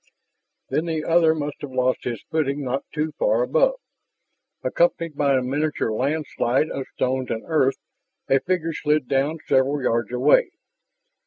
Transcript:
Then the other must have lost his footing not too far above. Accompanied by a miniature landslide of stones and earth, a figure slid down several yards away.